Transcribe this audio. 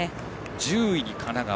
１０位に神奈川。